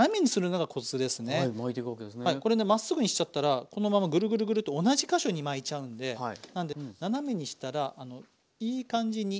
はいこれねまっすぐにしちゃったらこのままグルグルグルと同じ箇所に巻いちゃうんでなんで斜めにしたらいい感じに。